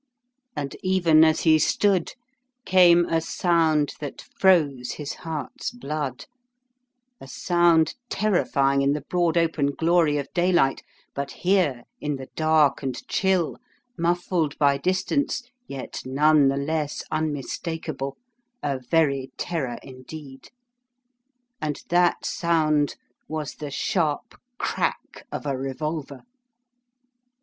And even as he stood came a sound that froze his heart's blood, a sound terrifying in the broad open glory of daylight, but here, in the dark and chill, muffled by distance, yet none the less unmistakable, a very terror indeed. And that sound was the sharp crack of a revolver!